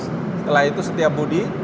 setelah itu setiabudi